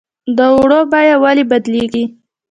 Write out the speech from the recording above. د اوړو بیه ولې بدلیږي؟